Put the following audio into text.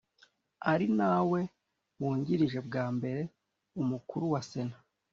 Ari nawe wungirije bwa mbere umukuru wa sena